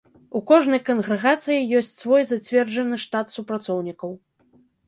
У кожнай кангрэгацыі ёсць свой зацверджаны штат супрацоўнікаў.